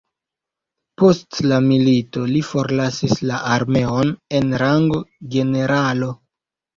Post la milito li forlasis la armeon en rango generalo.